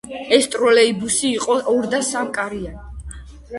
ეს ტროლეიბუსები იყო ორ და სამკარიანი.